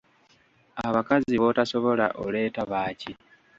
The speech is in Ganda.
Abakazi b'otasobola oleeta baaki?